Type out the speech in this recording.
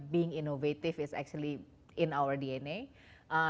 menjadi inovatif itu sebenarnya dalam dna kita